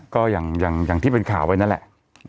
ก็อย่างที่เป็นข่าวไว้นั่นแหละ